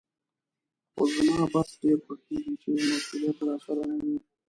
خو زما بس ډېر خوښېږي چې مسولیت راسره نه وي.